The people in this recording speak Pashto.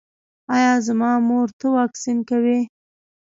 ایا زما مور ته واکسین کوئ؟